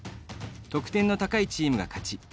得点の高いチームが勝ち。